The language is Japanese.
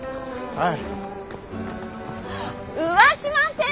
はい？